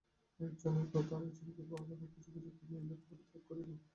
একজনের কথা আর একজনকে বলা বা গুজোগুজি, পরনিন্দা একেবারেই ত্যাগ করিবে।